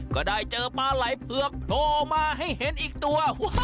ก็ได้เจอปลาไหล่เผือกโผล่มาให้เห็นอีกตัว